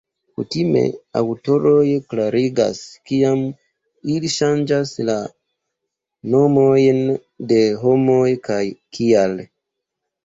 Kutime aŭtoroj klarigas kiam ili ŝanĝas la nomojn de homoj kaj kial.